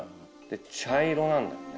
茶色なんだよね。